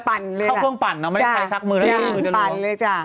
เข้าเครื่องปั่นเนอะไม่ได้ใช้ซักมือไม่ได้ใช้มือจะรู้ใช่ปั่นเลยจ้ะ